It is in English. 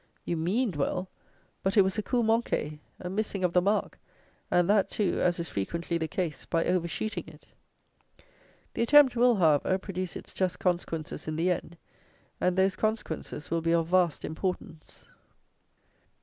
You meaned well; but it was a coup manqué, a missing of the mark, and that, too, as is frequently the case, by over shooting it. The attempt will, however, produce its just consequences in the end; and those consequences will be of vast importance.